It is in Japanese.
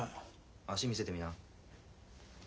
足見せてみな。